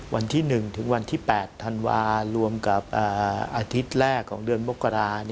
วันที่๑ถึงวันที่๘ธันวารวมกับอาทิตย์แรกของเดือนมกรา